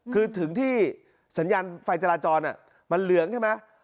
คือถึงที่สัญญาณไฟจราจรมันเหลืองใช่ไหม